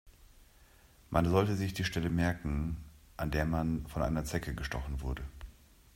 Man sollte sich die Stelle merken, an der man von einer Zecke gestochen wurde.